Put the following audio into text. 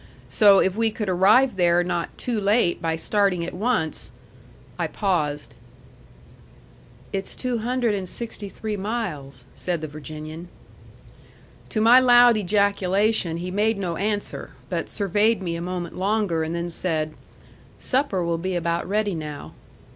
So if we could arrive there not too late by starting at once " I paused. "It's two hundred and sixty three miles," said the Virginian. To my loud ejaculation he made no answer, but surveyed me a moment longer, and then said, "Supper will be about ready now."